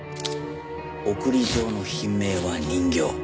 送り状の品名は人形。